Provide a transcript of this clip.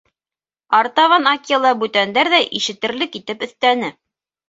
Артабан Акела бүтәндәр ҙә ишетерлек итеп өҫтәне.